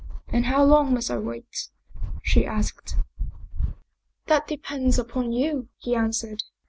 And how long must I wait ?" she asked. " That depends upon you," he answered.